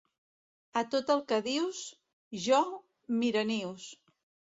A tot el que dius, jo... Miranius.